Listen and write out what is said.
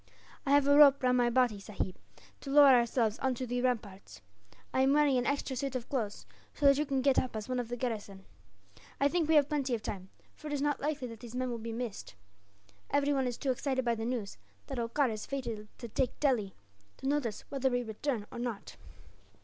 "I have a rope round my body, sahib, to lower ourselves on to the ramparts. I am wearing an extra suit of clothes, so that you can get up as one of the garrison. I think we have plenty of time, for it is not likely that these men will be missed. Everyone is too excited by the news, that Holkar has failed to take Delhi, to notice whether we return or not."